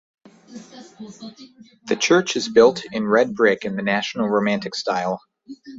The church is built in red brick in the National Romantic style.